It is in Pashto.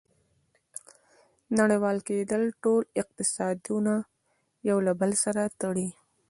• نړیوال کېدل ټول اقتصادونه یو له بل سره تړي.